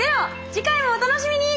次回もお楽しみに！